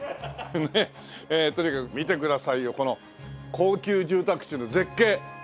とにかく見てくださいよこの高級住宅地の絶景。